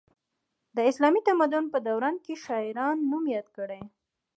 د اسلامي تمدن په دوران کې شاعرانو نوم یاد کړی.